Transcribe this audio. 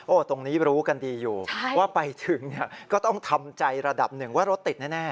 ตรงนี้รู้กันดีอยู่ว่าไปถึงเนี่ยก็ต้องทำใจระดับหนึ่งว่ารถติดแน่